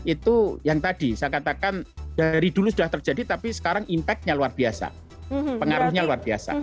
itu yang tadi saya katakan dari dulu sudah terjadi tapi sekarang impactnya luar biasa pengaruhnya luar biasa